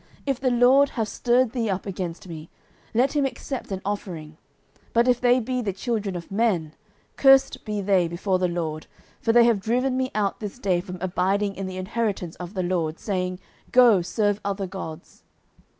If the LORD have stirred thee up against me, let him accept an offering: but if they be the children of men, cursed be they before the LORD; for they have driven me out this day from abiding in the inheritance of the LORD, saying, Go, serve other gods.